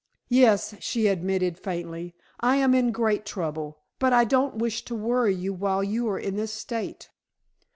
"Yes," she admitted faintly. "I am in great trouble. But I don't wish to worry you while you are in this state."